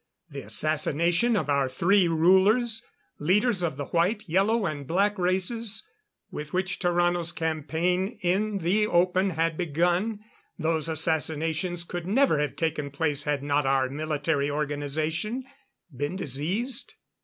The assassination of our three rulers leaders of the white, yellow and black races with which Tarrano's campaign in the open had begun those assassinations could never have taken place had not our military organization been diseased.